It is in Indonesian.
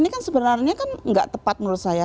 ini kan sebenarnya kan nggak tepat menurut saya